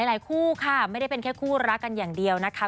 หลายคู่ค่ะไม่ได้เป็นแค่คู่รักกันอย่างเดียวนะคะ